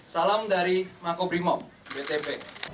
salam dari mako brimob btp